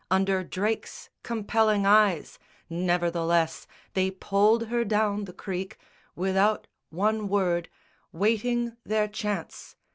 Under Drake's compelling eyes, Nevertheless, they poled her down the creek Without one word, waiting their chance.